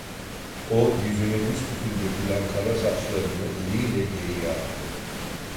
O, yüzüne büsbütün dökülen kara saçlarını eliyle geriye attı.